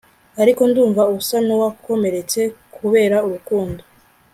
ariko ndumva usa nuwakomeretse kubera urukundo